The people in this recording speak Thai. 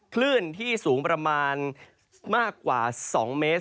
คลื่นที่สูงประมาณมากกว่า๒เมตร